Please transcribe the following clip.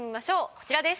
こちらです。